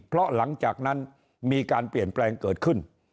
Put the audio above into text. เพราะหลังจากนั้นมีการเปลี่ยนแปลงเกิดขึ้น